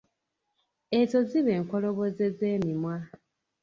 Ezo ziba enkoloboze z'emimwa.